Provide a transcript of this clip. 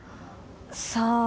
さあ。